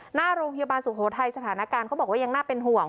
หน้าโรงพยาบาลสุโขทัยสถานการณ์เขาบอกว่ายังน่าเป็นห่วง